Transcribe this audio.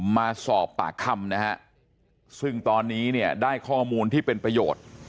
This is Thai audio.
มาสอบปากคำนะฮะซึ่งตอนนี้เนี่ยได้ข้อมูลที่เป็นประโยชน์